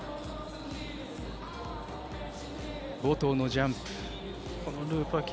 冒頭のジャンプ。